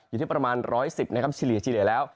อยู่ที่ประมาณ๑๑๐นะครับเฉลี่ยแล้ว